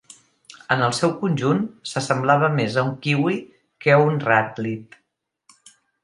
En el seu conjunt s'assemblava més a un kiwi que a un ràl·lid.